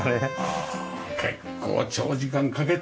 ああ結構長時間かけて。